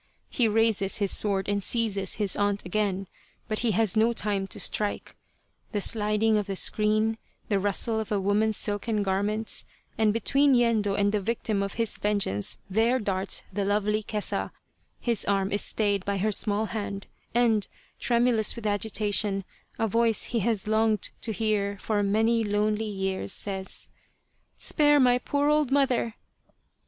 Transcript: He raises his sword and seizes his aunt again, but he has no time to strike : the sliding of a screen, the rustle of a woman's silken garments, and between Yendo and the victim of his vengeance there darts the lovely Kesa his arm is stayed by her small hand, and, tremulous with agitation, a voice he has longed to hear for many lonely years says :" Spare my poor old mother